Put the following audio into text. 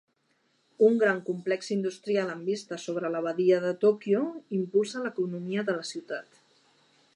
Un gran complex industrial amb vista sobre la badia de Tòquio impulsa l'economia de la ciutat.